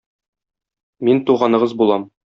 Мин туганыгыз булам.